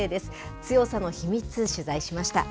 強さの秘密、取材しました。